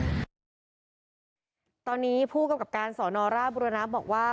ตอนนี้ผู้กับการสนร่าบุรณับบอกว่า